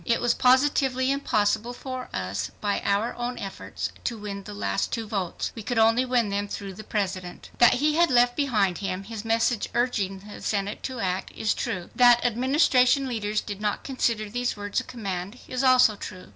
It was positively impossible for us, by our own efforts, to win the last 2 votes. We could only win them through the President. That he had left behind him his message urging the Senate to act, is true. That Administration leaders did not consider these words a command, is also true.